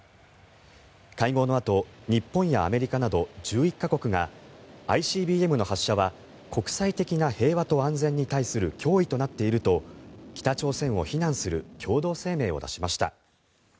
会合のあと日本やアメリカなど１１か国がＩＣＢＭの発射は国際的な平和と安全に対する脅威となっていると北朝鮮を非難する共同声明を出しました。